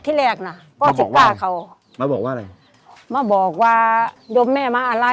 ที่แรกน่ะ๑๙เขามาบอกว่าอะไรมาบอกว่าโยมแม่มาอะไร